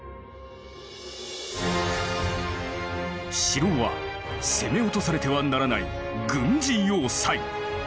城は攻め落とされてはならない軍事要塞。